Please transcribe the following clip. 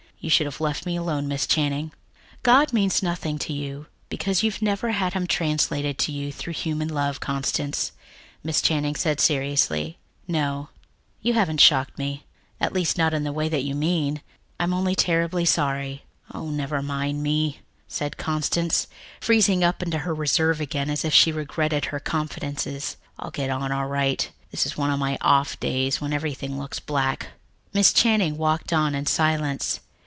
You should have left me alone, Miss Channing." "God means nothing to you because you've never had him translated to you through human love, Constance," said Miss Channing seriously. "No, you haven't shocked me at least, not in the way you mean. I'm only terribly sorry." "Oh, never mind me," said Constance, freezing up into her reserve again as if she regretted her confidences. "I'll get along all right. This is one of my off days, when everything looks black." Miss Channing walked on in silence.